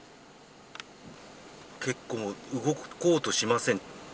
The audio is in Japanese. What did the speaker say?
結構、動こうとしません。